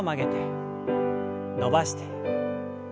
伸ばして。